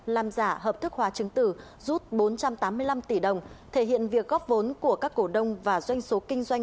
làm giả hợp thức hóa chứng tử rút bốn trăm tám mươi năm tỷ đồng thể hiện việc góp vốn của các cổ đông và doanh số kinh doanh